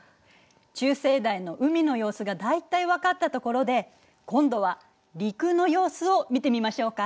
中生代の海の様子が大体分かったところで今度は陸の様子を見てみましょうか。